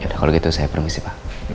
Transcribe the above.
nah kalau gitu saya permisi pak